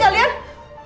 siapa sih kalian